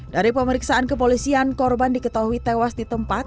dari pemeriksaan kepolisian korban diketahui tewas di tempat